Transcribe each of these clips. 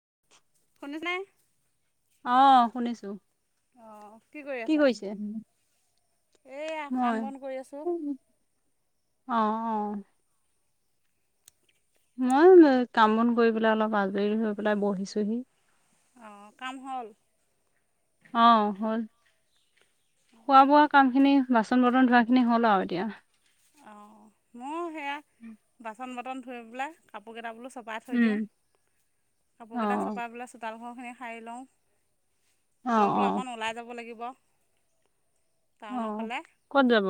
[unintelligible] [unintelligible] অ শুনিছো অ কি কৰি আছা এইয়া কাম মই বন কৰি আছোঁ অ অ মই কাম বন কৰি পেলাই অলপ আজৰি হৈ পেলাই বহিছোহি অঁ কাম হল অ হল খোৱা বোৱা কাম খিনি বাচন বৰ্তন ধোৱাখিনি হ'ল আৰু এতিয়া অঁ মোৰ সেয়া বাচন বৰ্তন ধুই পেলাই কাপোৰ কেইটা বোলো চপাই থৈ উম, দিওঁ কাপোৰকেইটা অ', চপাই পেলাই চোতাল ঘৰখিনি সাৰি লওঁ অ', লৈ পেলাই অ', অকণ ওলাই যাব লাগিব অ টাউনৰ ফালে। কত যাব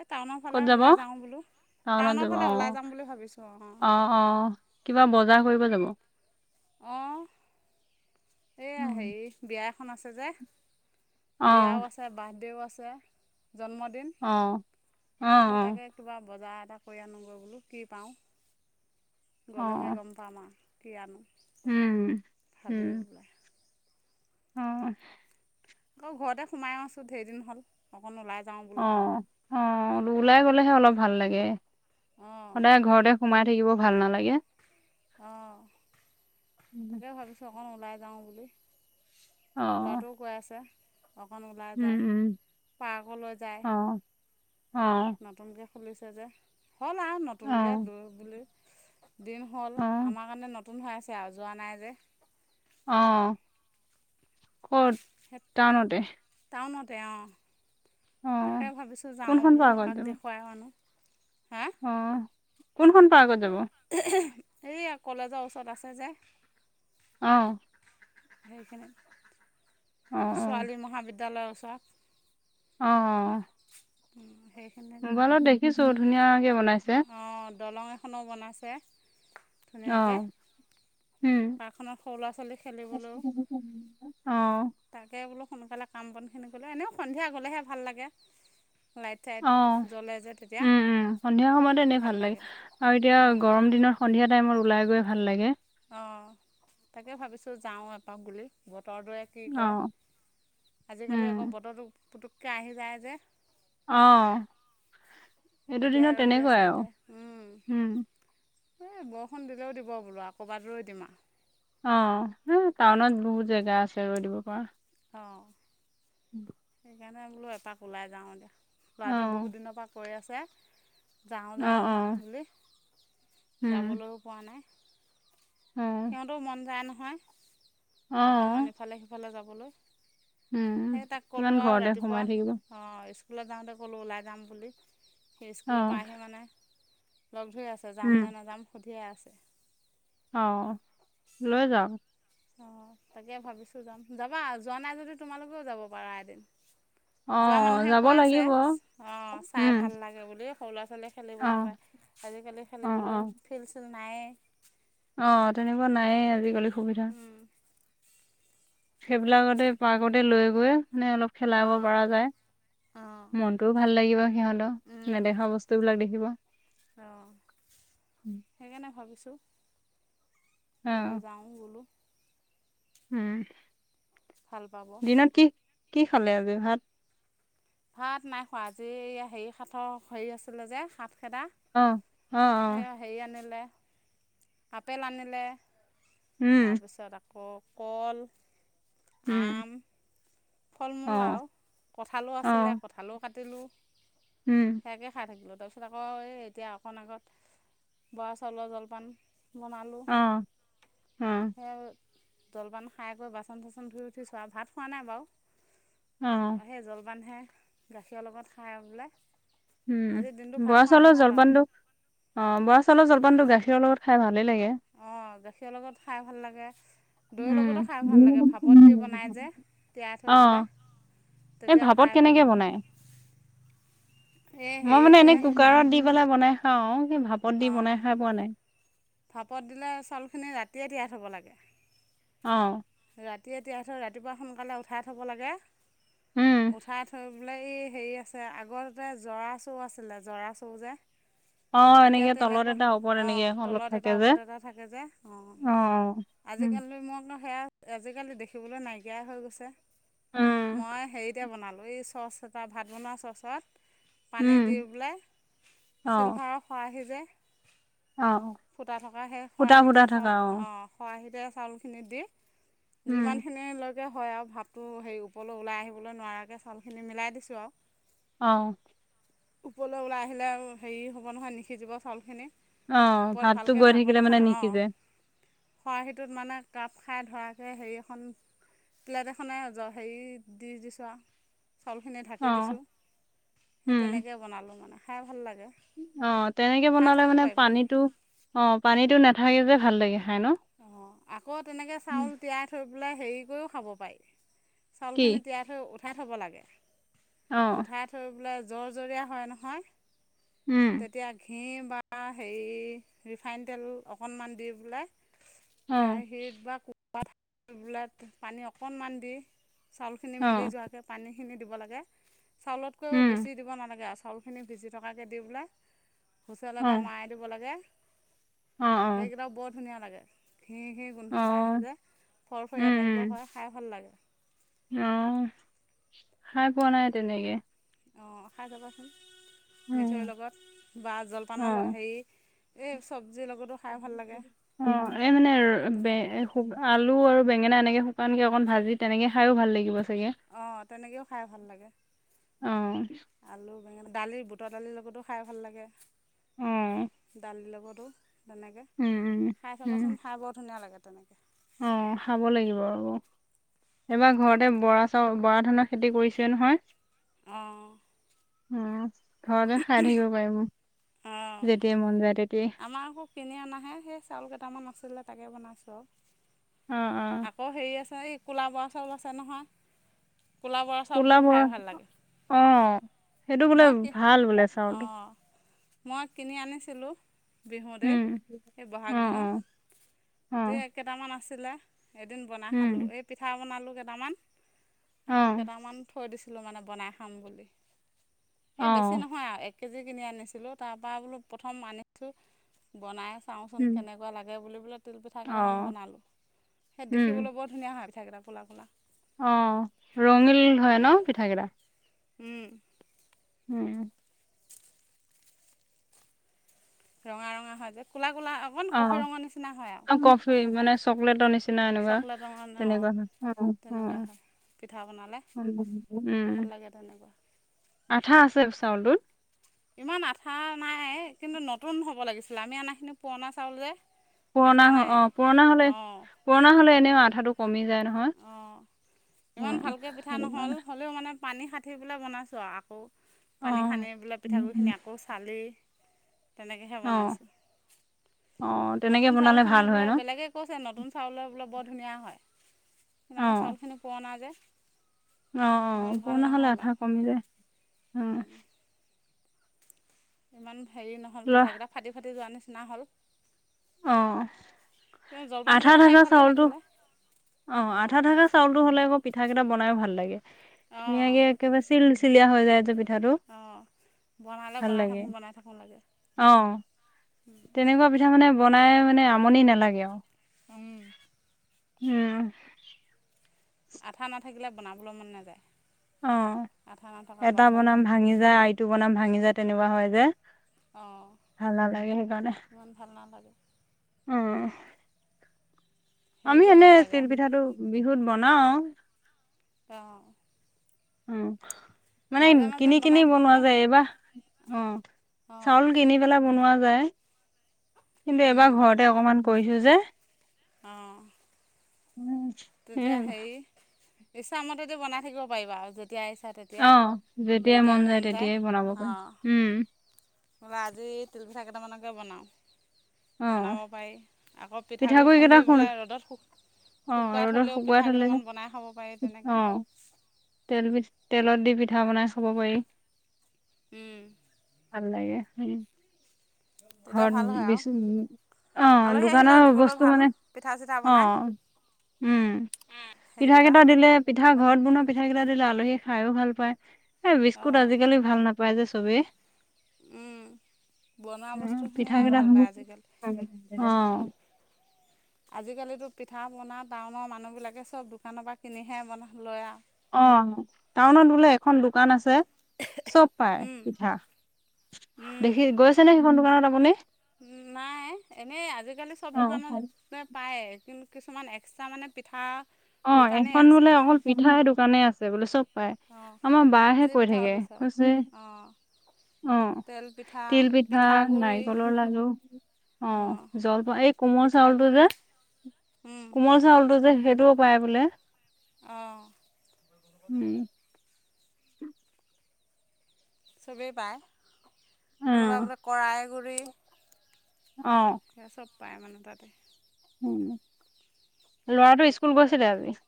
এই টাউনৰ ক'ত ফালে যাব? ওলাই যাওঁ বোলো টাউনত টাউনৰ যাব ফালে ওলাই অ', যাম বুলি ভাবিছোঁ অ কিবা বজাৰ কৰিব যাব অঁ এইয়া উম হেৰি বিয়া এখন আছে যে বিয়াও অ', আছে বাৰ্থডেও আছে অ', অ', [unintelligible] এটা অ', কৰি আনোগৈ বোলো কি পাওঁ গ'লেহে অ', গম পাম আৰু কি আনো উম ভাবি উম, [unintelligible] অ আকৌ ঘৰতে সোমাইও আছো ধেৰ দিন হ'ল অকণ ওলাই যাওঁ অ বোলো অ ওলাই গলেহে অলপ ভাল লাগে অঁ সদায় ঘৰতে সোমাই থাকিব ভাল নালাগে অঁ উম। তাকে ভাবিছোঁ অকণ ওলাই যাওঁ বুলি অ', লাৰাতো কৈআছে অকণ ওলাই উম, যায় উম, পাৰ্কলৈ অ', অ', যায় নতুনকৈ খুলিছে যে হ'ল আৰু নতুনকৈ অ', দ বুলি দিন হ'ল অ', আমাৰ কাৰণে নতুন নতুন হৈ আছে আৰু যোৱা নাই যে। আহ ক'ত টাউনতে তেওঁ তাকে অ', ভাবিছোঁ যাওঁ কোনখন বুলি পাৰ্কত এপাক যাব? দেখুৱাই আনো। হা অ কোনখন পাৰ্কত যাব? এইয়া কলেজৰ ওচৰত আছে যে। আহ। সেই কিনে অ', অ', ছোৱালী মহাবিদ্যালয়ৰ ওচৰত। অঁ। উম। মোবাইলত দেখিছোঁ ধুনীয়াকে বনাইছে। অঁ দলং এখনো বনাইছে ধুনীয়াকৈ। অ', উম। পাৰ্কখনত সৰু ল'ৰা ছোৱালী খেলিবলৈও অ', তাকে বোলো সোনকালে কাম বনখিনি গ'লে এনেও সন্ধিয়া গ'লেহে ভাল লাগে। ঠেক অ', জ্বলে যে। তেতিয়া উম উম সন্ধিয়া সময়ত এনেই ভাল লাগে আৰু এতিয়া অঁ গৰম দনৰত সন্ধিয়া টাইমত ওলাই গ গৈ ভাল লাগে। অ তাকে ভাবিছো যাওঁ এপাক বুলি ব বতৰ টোৱে কি কয় অ', আজিকালি আকৌ উম, বতৰটো পুতুককৈ আহি যায় যে। আহ। এতিয়াই ৰ'দ দি আছে এতিয়া উম। এই বৰষুণ দিলও দিব বোলো আৰু ক'ৰবাত ৰৈ দিম আৰু। অ হ টাউনত বহুত জেগা আছে ৰৈ দিব পৰা। অঁ [unintelligible] সেইকাৰণে বোলো এপাক ওলাই যাওঁ এতিয়া অ ল'ৰাটোৱে বহুত দিনৰ পৰা কয় আছে। যাওঁ অ যাওঁ অ বুলি উম যাবলৈও পোৱা নাই। অ সিহঁতেও মন যায় নহয় অ অকণমান ইফালে সিফালে যাবলৈ। উম সেই তাক ক'লোঁ কিমান আৰু ঘৰতে ৰাতিপুৱা সোমাই থাকিব। অঁ স্কুলত যাওঁতে ক'লোঁ ওলাই যাম বুলি সেই অ স্কুলৰ পৰা আহি মানে। লগ ধৰি আছে যাম উম নে নাযাম সুধিয়ে আছে। অ লৈ যাাম। অ তাকে ভাবিছো যাম যাবা যোৱা নাই যদি তোমালোকেও যাব পাৰা এদিন। অ যোৱা মানুহে যাব কৈ আছে লাগিব অ চাই উম ভাল লাগে বুলি সৰু লৱা ছোৱালীয়ে অ খেলিবলৈ পায় আজিকালি অ খেলিবলৈ ফিল্ড চিল নায়েই। আহ তেনেকুৱা নাইয়ে আজিকালি সুবিধা। সেইবিলাকতে পাৰ্কতে লৈ গৈ মানে অলপ খেলাব অঁ পৰা যায়। অঁ মনটোও ভাল লাগিব সিহঁতৰ নেদেখা বস্তুবিলাক দেখিব। অঁ সেইকাৰণে ভাবিছোঁ। অ লৈ যাওঁ বোলো। উম। ভাল পাব। দিনত কি কি খালে আজি ভাত? ভাত নাই খোৱা আজি হে সাতৰ হেৰি আছিলে যে সাত খেদা অ', অ', অ', সেয়া হেৰি আনিলে আপেল আনিলে উম, তাৰপিছত আকৌ কয় উম। ফল মূল অ', আৰু কঁঠালো আছিলে অ', কঁঠালও কাটিলোঁ উম, সেয়াকে খাই থাকিলোঁ। তাৰপিছত আকৌ এই এতিয়া অকণ আগত বৰা চাউলৰ জলপান- বনালোঁ। অ', অ', সে জলপান খাইকৈ বাচন চাচন ধুই উঠিছোঁ ভাত খোৱা নাই বাও। অ', সেই জলপানহে গাখীৰৰ লগত খাই বোলে। উম বৰা চাউলৰ আৰু জলপানটো অ বৰা চাউলৰ জলপানটো গাখীৰৰ লগত খাই ভাল ভালো লাগে। অঁ গাখীৰৰ লগত খাই ভাল লাগে। দৈৰ উম। লগতো খাই ভাল লাগে ভাপত দি বনাই যে তিয়াই থৈ অ', পেলাই। এই তেতিয়া ভাপত খাই ভাল কেনেকে লাগে বনায়। এই [inaudible] মই হেৰি মানে যে এনে কুকাৰত দি পেলাই বনাই খাওঁ, সেই ভাপত দি বনাই অঁ খাই পোৱা নাই। ভাপত দিলে চাউলখিনি ৰাতিয়ে তিয়াই থ'ব লাগে। অঁ। ৰাতিয়ে তিয়াই থৈ ৰাতিপুৱা সোনকালে উঠাই থ'ব লাগে, উম, উঠাই থৈ বোলে এই হেৰি আছে আগতে জৰা চৰু আছিলে জৰা চৰু যে, অঁ এতিয়া এনেকে তলত তেনেকুৱা এটা ওপৰত এনেকে অঁ এখন অলপ তলত থাকে এটা যে, ওপৰত এটা থাকে যে অঁ আজিকালি মই একো সেয়া আজিকালি দেখিবলৈ নাইকিয়াই হৈ গৈছে, উম, মই হেৰিতে বনালোঁ। এই চচ এটা ভাত বনোৱা চচত পানী উম, দি পেলাই অ', অ'। চিলভাৰ খৰাহী যে অ ফুটা থকা সেই ফুটা ফুটা খৰাহিতে থকা চাউল অ খৰাহিতে চাউলখিনি দি যিমানখিনি লৈ পেলা হয় আৰু ভাতটো হেৰি ওপৰলৈ ওলাই আহিবলৈ নোৱাৰাকৈ চাউলখিনি মিলাই দিছোঁ আও অহ ওপৰলৈ ওলাই আহিলে হেৰি হ'ব নহয় নিসিজিব চাউলখিনি অঁ ওপৰত ভাতটো বৈ থাকিলে মানে নিসিজে। খৰাহিটোত মানে কাপ খাই ধৰা। হেৰি এখন, প্লেট এখনে হেৰি দি দিছোঁ আও চাউলখিনি অ ঢাকি দিছোঁ, সেই তেনেকে বনালোঁ মানে খাই ভাল লাগে। অঁ তেনেকে খাই বনালে চাব মানে পাৰিবা পানীটো অ পানীটো নাথাকে যে ভাল লাগে। খাই ন অঁ আকৌ তেনেকৈ চাউল তিয়াই থৈ পেলাই হেৰি কৰিও খাব পাৰি। কি চাউলখিনি তিয়াই থৈ উঠাই থ'ব লাগে, অ উঠাই থৈ বোলে জৰজৰীয়া হয় নহয়, উম তেতিয়া ঘি বা হেৰি ৰিফাইন তেল অকণমান দি পেলাই অ কেৰাহীত বা কুকাত পানী অকণমান দি চাউলখিনি অ মিলি যোৱাকে পানীখিনি দিব লাগে চাউলতকৈও উম বেছি দিব নালাগে আ চাউলখিনি ভিজি থকাকৈ দি বোলে হুইচেল অ এটা মৰাই দিব লাগে অ অ সেইকেইটাও বৰ ধুনীয়া লাগে। ঘি ঘিৰ অ গোন্ধ এটা আহে যে ফৰফৰীয়া তাইপৰ হয় খাই ভাল লাগে। অঁ খাই পোৱা নাই তেনেকে। অঁ খাই চাবাচোন উম মিঠৈৰ লগত বা অ জলপানৰ হেৰি এই চব অ এ মানে আলু আৰু বেঙেনা এনেকে শুকানকে অকন ভাজি তেনেকে খাইো ভাল লাগিব। চাগে অঁ তেনেকৈও খাই ভাল লাগে, অ আলু দালিৰ বুট দালিৰ লগতো খাই ভাল লাগে অ দালিৰ লগতো। তেনেকে, উম উম খাই উম চাবাচোন খাই বৰ ধুনীয়া লাগে তেনেকে। অ', খাব লাগিব ৰ'ব। এইবাৰ ঘৰতে বৰা চাউল বৰা ধানৰ খেতি কৰিছে নহয়। অঁ উম', ঘৰতে খাই থাকিব পাৰিব অঁ যেতিয়াই মন যায় তেতিয়া আমাৰ আকৌ কিনি আনাহে সেই চাউল কেইটামান আছিলে তাকে বনাইছোঁ আও। অ অ আকৌ হেৰি আছে এই কোলা বৰা চাউল আছে নহয়। ক'লা বৰা কোলা চাউলটো খাই বৰা ভাল লাগে অ', সেইটো বোলে মই কি ভাল বোলে চাউলটো। অঁ মই কিনি আনিছিলো বিহুতেই উম এই বহাগ অ বিহু, অ অ তে এই কেইটামান আছিলে। এদিন বনাই খালোঁ উম এই পিঠা বনালোঁ কেইটামান, অ আকৌ কেইটামান থৈ দিছোঁ ছিলো মানে বনাই খাম বুলি, অ এই বেছি নহয় আৰু এ কেজি কিনি আনিছিলোঁ তাৰপৰা বোলো প্ৰথম আনিছোঁ বনাই চাওঁচোন উম কেনেকুৱা লাগে বুলি বোলে তিলপিঠা কেইটামান অ বনালোঁ। সেই উম দেখিবলৈ বৰ ধুনীয়া হয়। সেই কেইটা ফুলা ফুলা। অ', ৰঙিল হয় ন' পিঠাকেইটা। উম। হম। ৰঙা ৰঙা হয় যে ক'লা ক'লা অকণ কফি অ', ৰঙৰ নিচিনা হয় আৰু অ', কফি মানে চকলেটৰ নিচিনা এনেকুৱা চকলেট ৰঙৰ অঁ তেনেকুৱা হয়। অ', হয়। পিঠা বনালে, ভাল লাগে তেনেকুৱা। আঠা আছে চাউলটোত। ইমান আঠা নাই কিন্তু নতুন হ'ব লাগিছিলে। আমি আনাখিনি পুৰণা চাউল যে। পুৰণা আঠা নাই অ', পুৰণা হ'লে অঁ পুৰণা হ'লে এনেও আধাটো কমি যায় নহয় অঁ ইমান উম, ভালকৈ পিঠা সেইটো নহ'ল কাৰণে। হ'লেও মানে পানী খাঁঠি বোলে বনাইছোঁ আকৌ অ পানী সানি বোলে পিঠাগুৰিখিনি আকৌ চালি তেনেকেহে অ বনাইছোঁ। অ তেনেকে নতুন বনালে চাউলখিনি ভাল হয় বোলে ন বেলেগে কৈছে, নতুন চাউলে বোলে বৰ ধুনীয়া হয়। কিন্ত অ আমাৰ চাউল খিনি পুৰণা যে। অ', ইমান অ', ভাল পুৰণা হ'লে নহ'ল আধা আৰু কমি যায়, উম। ইমান হেৰি নহ'ল ল পিঠাকেইটা ফাটি ফাটি যোৱাৰ নিচিনা হ'ল। অ'। কিন্ত আধা জলপানকেইটা খাই থকা ভালে চাউলটো লাগিলে। অ', আধা অঁ থাকা চাউলটো হ'লে আকৌ, পিঠা কেইটা বনায়ো ভাল লাগে। অঁ ধুনীয়াকে একেবাৰে চিল চিলিয়া হৈ যায় এইটো পিঠাটো। বনালেও ভাল বনাই লাগে থাকো বনাই থাকো লাগে। [inaudible] অ তেনেকুৱা পিঠা মানে বনাই মানে আমনি নালাগে আৰু। উম। উম। আঠা নাথাকিলে বনাবলৈ মন নাযায়। অ', আঠা নথকা এটা বৰা চাউলৰ বনাম ভাঙি যায় আইটো বনাম ভাঙি যায় তেনেকুৱা হয় যে। অঁ ভাল নালাগে সেইকাৰণে, ইমান ভাল নালাগে উম। আমি হেৰিটো এনে ভাল লাগে তিলপিঠাটো বিহুত বনাও। অ'। উম। মানে কিনি কিনি বনাই বনোৱা থাকিলে যায় এইবাৰ অ', অঁ চাউল কিনি পেলাই বনোৱা যায় কিন্তু এবাৰ ঘৰতে অকনমান কৰিছোঁ যে। অঁ সেই তেতিয়া হেৰি ইচ্ছামতে দি বনাই থাকিব পাৰিবা আৰু য অ', যেতিয়াই মন যায়, তেতিয়াই বনাব পাৰিম উম। নহ'লে আজি তিলপিঠা কেইটামানকে বনাও, অ বনাব পাৰি আকৌ পিঠাগুড়ি পিঠাগুৰি কেইটা খুন্দি শুন পেলাই ৰ'দত সুখ অ', ৰ'দত শুকুৱাই থ'লে নু, তেনেকৈ অ', তেল বিচ, তেলত দি পিঠা বনাই খাব পাৰি। উম। ভাল লাগে হম, তেতিয়া ভাল ঘৰত হয় আৰু বিচ উ অ', আলহী আহিলেও দোকানৰ দিবলৈ বস্তু ভাল মানে, পিঠা চিঠা অ'। বনাই উম, পিঠা সেইকেইটা কেইটা দিলে, পিঠা। ঘৰত বনোৱা পিঠা কেইটা দিলে আলহী খায়ও ভাল পায় এ বিস্কুট অঁ আজিকালি ভাল নাপায়। পাই যে চবেই। উম, বনোৱা উম পিঠা বস্তুখিনিহে কেইটা ভাল পায় আজিকালি অ আজিকালিতো। পিঠা বনা টাউনৰ মানুহবিলাকে চব দোকানৰ পৰা কিনিহে বনা লয় আৰু অ', টাউনত বোলে এখন দোকান আছে চব পাই উম, পিঠা। দেখি গৈছে ন সিখন দোকানত আপুনি? উ নাই এনেই আজিকালি চব অ দোকানত পায়। কি কিছুমান এক্সট্ৰা মানে পিঠা অ' দোকানেই এখন আছে বোলে অকল পিঠাই দোকানে আছে বোলে চব পাই অঁ আমাৰ বহে যি কৈ পিঠা থাকে বিচাৰে কৈছে। অঁ অ', তেল পিঠা তিল পিঠা, পিঠাগুড়ি নাৰিকলৰ লাডু অ', অঁ জলপাওঁ এই কোমৰ চাউলটো যে পিঠাগুড়ি উম, কোমল চাউলটো যে সেইটো পাই বোলে। অ'। উম চবেই পায় কোনোবা অ বোলে কৰাইগুৰি অ স চব পায় মানে তাতে। উম লৰাটো স্কুল গৈছিলে আজি?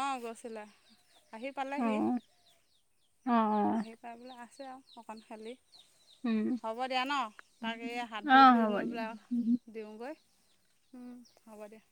অ', গৈছিলে আহি অ পালেহি। অ আহি পাই বোলে আছে আৰু অকণ খালি। উম হ'ব দিয়া ন তাক এই হাত অ ভৰি ধৰি হ'ব লৈ দিয়ক পেলাই দিওঁগৈ। হ'ব দিয়া।